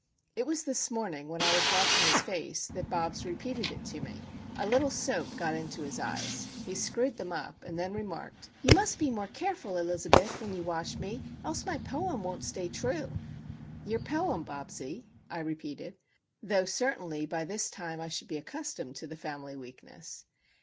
It was this morning, while I was washing his face, that Bobs repeated it to me. A little soap got into his eyes. He screwed them up, and then remarked,— "You must be more careful, Elizabeth, when you wash me, else my poem won't stay true." "Your poem, Bobsie?" I repeated. Though, certainly, by this time I should be accustomed to the family weakness.